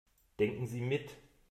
Denken Sie mit.